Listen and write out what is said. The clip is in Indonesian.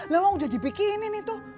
lawang udah dibikinin itu